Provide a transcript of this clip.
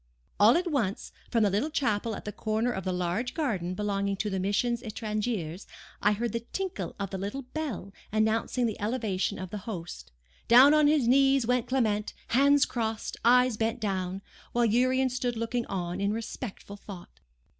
"All at once, from the little chapel at the corner of the large garden belonging to the Missions Etrangeres, I heard the tinkle of the little bell, announcing the elevation of the host. Down on his knees went Clement, hands crossed, eyes bent down: while Urian stood looking on in respectful thought.